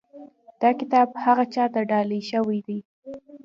دا کتاب هغه چا ته ډالۍ شوی دی.